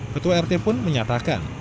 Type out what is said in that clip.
ketua rt pun menyatakan